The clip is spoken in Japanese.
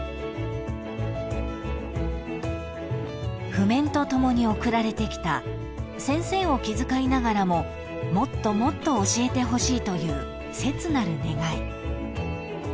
［譜面と共に送られてきた先生を気遣いながらももっともっと教えてほしいという切なる願い］